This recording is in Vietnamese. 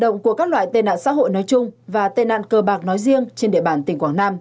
động của các loại tệ nạn xã hội nói chung và tệ nạn cờ bạc nói riêng trên địa bàn tỉnh quảng nam